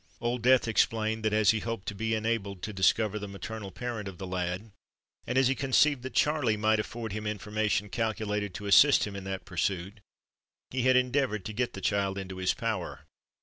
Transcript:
Old Death explained that as he hoped to be enabled to discover the maternal parent of the lad, and as he conceived that Charley might afford him information calculated to assist him in that pursuit, he had endeavoured to get the child into his power.